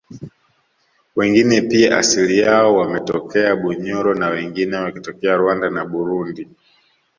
wengine pia asili yao wametokea Bunyoro na wengine wakitokea Rwanda na Burundi